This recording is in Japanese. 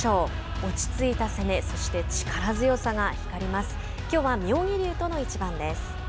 落ち着いた攻めそして力強さが光ります。